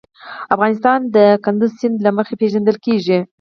افغانستان د کندز سیند له مخې پېژندل کېږي.